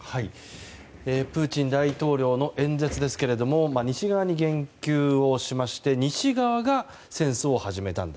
プーチン大統領の演説ですが西側に言及をしまして西側が戦争を始めたんだ。